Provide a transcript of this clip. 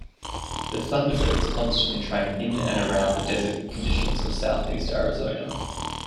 The "Thunderbirds" constantly train in and around the desert conditions of southeast Arizona.